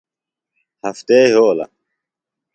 ہفتے یھولہ